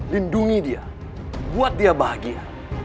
lindungi dia buat dia bahagia